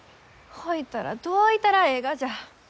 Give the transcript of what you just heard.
ほいたらどういたらえいがじゃ？